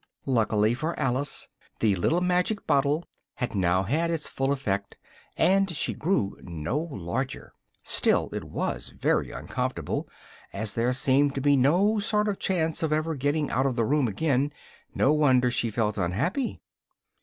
Luckily for Alice, the little magic bottle had now had its full effect, and she grew no larger; still it was very uncomfortable, and as there seemed to be no sort of chance of ever getting out of the room again, no wonder she felt unhappy.